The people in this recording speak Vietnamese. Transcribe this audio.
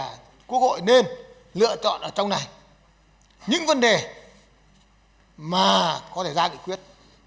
và quốc hội nên lựa chọn ở trong này những vấn đề mà có thể ra nghị quyết